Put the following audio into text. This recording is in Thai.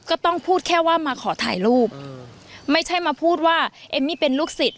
ก็ต้องพูดแค่ว่ามาขอถ่ายรูปไม่ใช่มาพูดว่าเอมมี่เป็นลูกศิษย